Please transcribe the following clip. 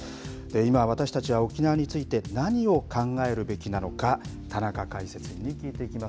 今、私たちは沖縄について何を考えるべきなのか田中解説委員に聞いていきます